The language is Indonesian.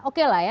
oke lah ya